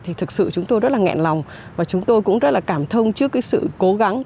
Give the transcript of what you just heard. thì thực sự chúng tôi rất là nghẹn lòng và chúng tôi cũng rất là cảm thông trước cái sự cố gắng